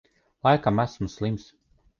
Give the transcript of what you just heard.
Laikam esmu slims.